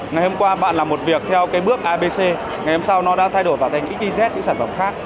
ngày hôm qua bạn làm một việc theo cái bước abc ngày hôm sau nó đã thay đổi vào thành xiz những sản phẩm khác